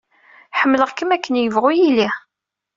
Ḥemmleɣ-kem akken yebɣu yili.